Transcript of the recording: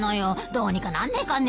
どうにかなんねえかねえ。